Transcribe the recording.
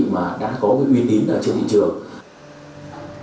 mà đã có cái uy tín ở trên thị trường